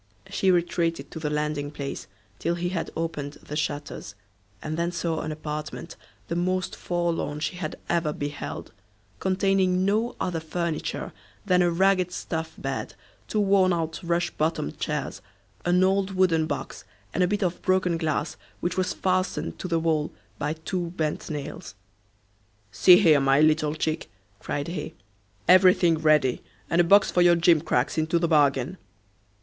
She retreated to the landing place till he had opened the shutters, and then saw an apartment the most forlorn she had ever beheld, containing no other furniture than a ragged stuff bed, two worn out rush bottomed chairs, an old wooden box, and a bit of broken glass which was fastened to the wall by two bent nails. "See here, my little chick," cried he, "everything ready! and a box for your gimcracks into the bargain."